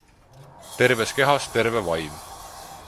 Terves kehas terve vaim.